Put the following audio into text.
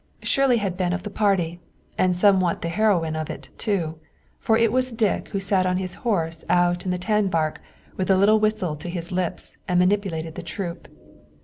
Shirley had been of the party, and somewhat the heroine of it, too, for it was Dick who sat on his horse out in the tanbark with the little whistle to his lips and manipulated the troop.